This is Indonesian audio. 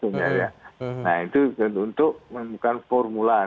nah itu untuk membuka formula